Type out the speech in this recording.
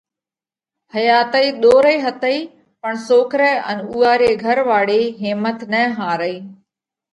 حياتئِي ۮورئِي هتئِي پڻ سوڪرئہ ان اُوئا رِي گھر واۯِي هيمت نہ هارئِي۔